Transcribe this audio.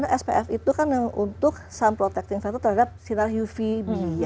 nah spf itu kan untuk sun protecting factor terhadap sinar uvb